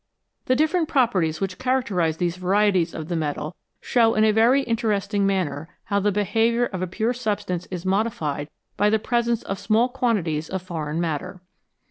The different properties which characterise these varieties of the metal show in a very interesting manner how the behaviour of a pure substance is modified by the presence of small quantities of foreign matter.